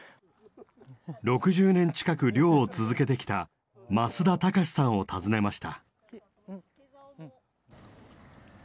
６０年近く漁を続けてきた増田崇さんを訪ねました。